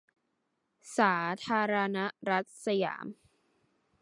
สาธารณรัฐสยาม